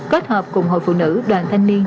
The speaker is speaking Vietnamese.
kết hợp cùng hội phụ nữ đoàn thanh niên